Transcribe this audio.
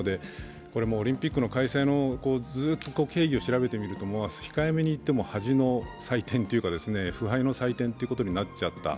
オリンピックの開催の経緯を調べてみると控えめに言っても、恥の祭典というか腐敗の祭典ということになっちゃった。